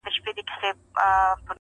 هغه بورا وي همېشه خپله سینه څیرلې!.